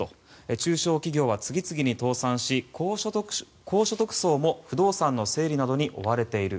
中小企業は次々に倒産し高所得層も不動産の整理などに追われている。